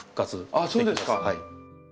あっそうですか。